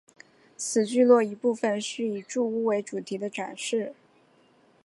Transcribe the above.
此聚落一部份是以住屋为主题的展示。